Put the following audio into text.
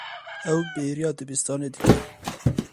Ew bêriya dibistanê dike.